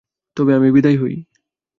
তবে আমি বিদায় হই।